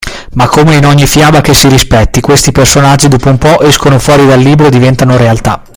ma come in ogni fiaba che si rispetti questi personaggi dopo un po’ escono fuori dal libro e diventano la realtà.